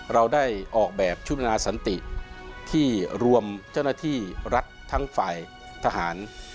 เราได้ออกแบบชุดนาสันติที่รวมเจ้าหน้าที่รัฐทั้งฝ่ายทหาร